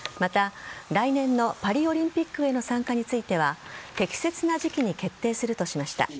また、来年のパリオリンピックへの参加については適切な時期に決定するとしました。